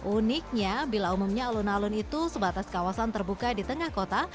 uniknya bila umumnya alun alun itu sebatas kawasan terbuka di tengah kota